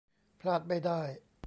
พลาดไม่ได้ !